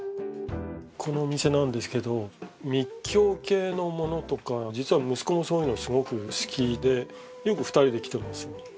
このお店なんですけど密教系のものとか実は息子もそういうのすごく好きでよく２人で来てますよ。